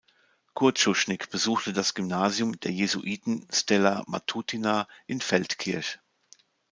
Kurt Schuschnigg besuchte das Gymnasium der Jesuiten „Stella Matutina“ in Feldkirch.